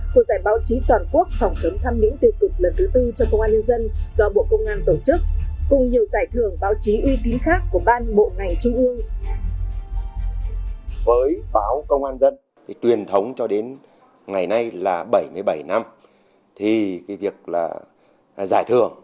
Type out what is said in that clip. của giải báo chí toàn quốc phòng chống thăm những tiêu cực lần thứ tư cho công an nhân dân